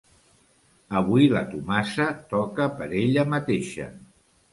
Avui la Tomasa toca per ella mateixa.